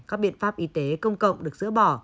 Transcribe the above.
các biện pháp y tế công cộng được dỡ bỏ